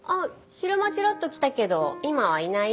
昼間ちらっと来たけど今はいないよ。